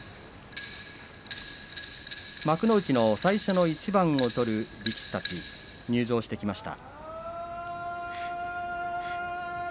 幕内の最初の一番を取る力士たち入場してきました。